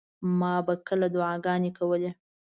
ما به کله دعاګانې کولې.